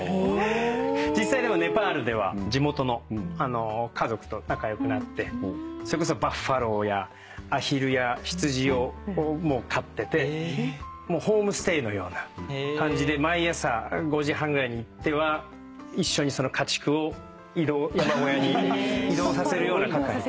実際でもネパールでは地元の家族と仲良くなってそれこそバファローやアヒルや羊を飼っててホームステイのような感じで毎朝５時半ぐらいに行っては一緒に家畜を移動山小屋に移動させるような係。